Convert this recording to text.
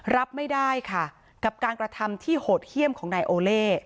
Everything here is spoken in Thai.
รับไม่ได้ค่ะกับการกระทำที่โหดเยี่ยมของนายโอเล่